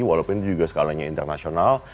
walaupun itu juga sekalanya internasional